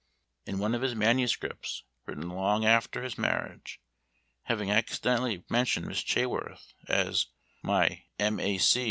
In one of his manuscripts, written long after his marriage, having accidentally mentioned Miss Chaworth as "my M. A.